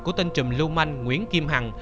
của tên trùm lưu manh nguyễn kim hằng